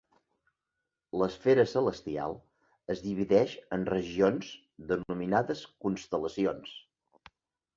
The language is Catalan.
L'esfera celestial es divideix en regions denominades constel·lacions.